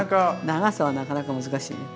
長さはなかなか難しいね。